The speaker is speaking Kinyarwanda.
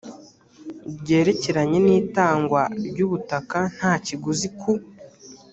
ryerekeranye n itangwa ry ubutaka nta kiguzi ku